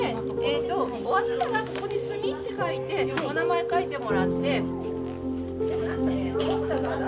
終わったらここに「済」って書いてお名前書いてもらって。